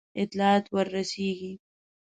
اطلاعات ورسیږي.